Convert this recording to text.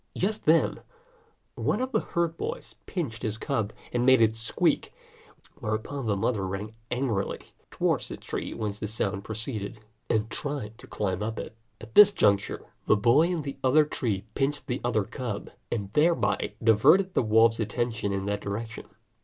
Just then, one of the herd boys pinched his cub and made it squeak; whereupon the mother ran angrily towards the tree whence the sound proceeded, and tried to climb up it. At this juncture, the boy in the other tree pinched the other cub, and thereby diverted the wolf's attention in that direction.